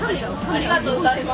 ありがとうございます。